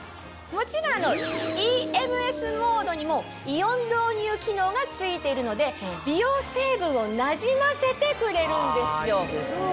もちろんＥＭＳモードにもイオン導入機能が付いてるので美容成分をなじませてくれるんですよ。